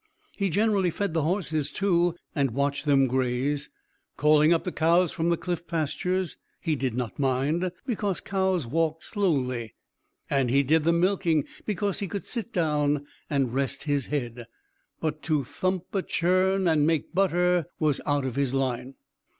He generally fed the horses, too, and watched them graze. Calling up the cows from the cliff pastures he did not mind, because cows walked slowly; and he did the milking because he could sit down and rest his head; but to thump a churn and make butter was out of his line.